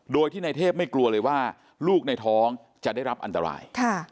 โดยที่ในเทพไม่กลัวเลยว่าลูกในท้องจะได้รับอันตราย